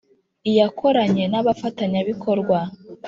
iyakoranye n abafatanyabikorwa